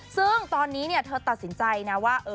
ซึ่งตอนนี้เธอตัดสินใจนะว่า